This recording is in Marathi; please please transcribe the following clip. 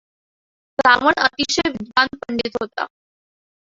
रावण अतिशय विद्वान पंडित होता.